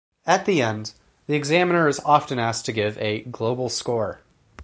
At the end, the examiner is often asked to give a "global score".